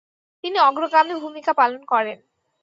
তিনি অগ্রগামী ভূমিকা পালন করেন।